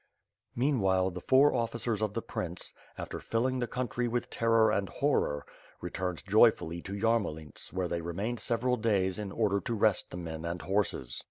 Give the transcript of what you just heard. Meanwhile, the four officers of the prince, after filling the country with terror and horror, returned joyfully to Yarmo lints where they remained several days in order to rest the men and horses.